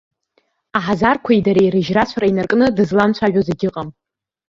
Аҳазарқәеи дареи рыжьрацәара инаркны дызламцәажәоз егьыҟам.